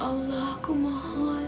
ya allah aku mohon